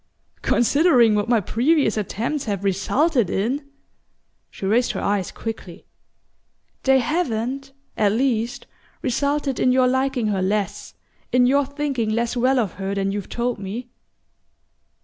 "Considering what my previous attempts have resulted in !" She raised her eyes quickly. "They haven't, at least, resulted in your liking her less, in your thinking less well of her than you've told me?"